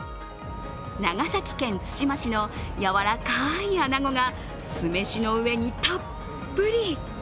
長崎県対馬市のやわらかいあなごが酢飯の上にたっぷり。